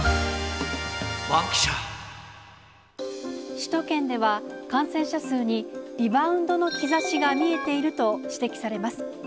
首都圏では、感染者数にリバウンドの兆しが見えていると指摘されます。